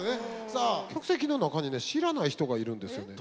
さあ客席の中に知らない人がいるんですよね。